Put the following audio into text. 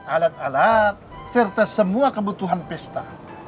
alat alat serta semua kebutuhan pesta